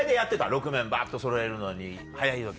６面バッとそろえるのに速い時で。